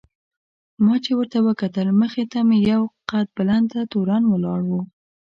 ما چې ورته وکتل مخې ته مې یو قد بلنده تورن ولاړ و.